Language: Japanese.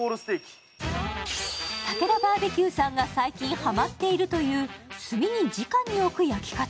たけだバーベキューさんが最近ハマっているという、炭にじかに置く焼き方。